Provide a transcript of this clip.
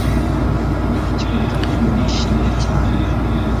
Icyo gihe narishimye cyane